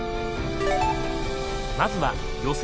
まずは予選